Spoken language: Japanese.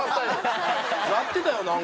やってたよなんか。